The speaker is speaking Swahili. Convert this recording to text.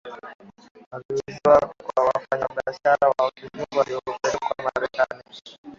Waliuzwa kwa wafanyabiashara Wa kizungu waliowapeleka Amerika